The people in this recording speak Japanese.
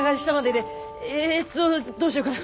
えとどうしようかな。